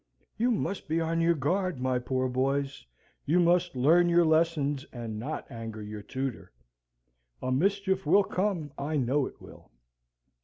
You must be on your guard, my poor boys you must learn your lessons, and not anger your tutor. A mischief will come, I know it will.